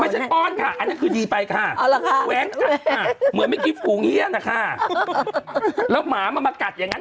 โอ้โฮเดี๋ยวนี้ก็ไม่กัน